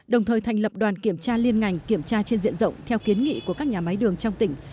đồng thời thành lập đoàn kiểm tra liên ngành kiểm tra trên diện rộng theo kiến nghị của các nhà máy đường trong tỉnh